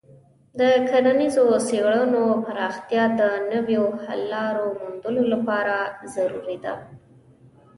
د کرنیزو څیړنو پراختیا د نویو حل لارو موندلو لپاره ضروري ده.